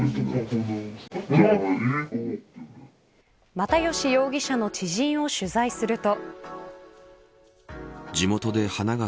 又吉容疑者の知人を取材すると。